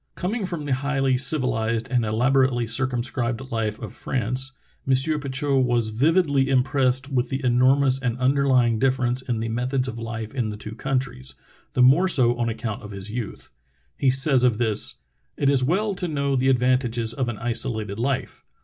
Coming from the highly civilized and elaborately circumscribed life of France, M. Petitot was vividly im pressed with the enormous and underlying difference in the methods of life in the two countries, the more so on account of his youth. He says of this : "It is well to know the advantages of an isolated life.